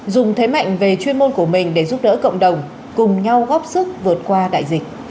dùng thế mạnh về chuyên môn của mình để giúp đỡ cộng đồng cùng nhau góp sức vượt qua đại dịch